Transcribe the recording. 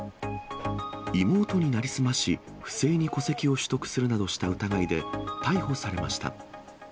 妹に成り済まし、不正に戸籍を取得するなどした疑いで、逮捕されました。